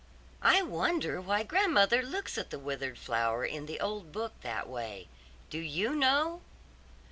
"I wonder why grandmother looks at the withered flower in the old book that way? Do you know?"